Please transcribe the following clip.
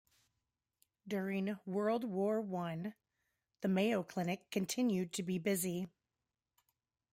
During World War One, the Mayo Clinic continued to be busy.